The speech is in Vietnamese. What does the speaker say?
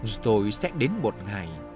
rồi sẽ đến một ngày